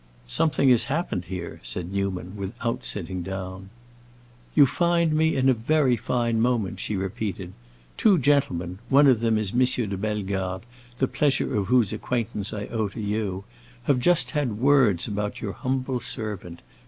"Something has happened here!" said Newman, without sitting down. "You find me in a very fine moment," she repeated. "Two gentlemen—one of them is M. de Bellegarde, the pleasure of whose acquaintance I owe to you—have just had words about your humble servant.